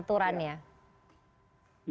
aturannya iya aturannya iya